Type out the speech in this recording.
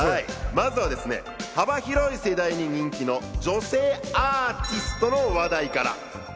まずは幅広い世代に人気の女性アーティストの話題から。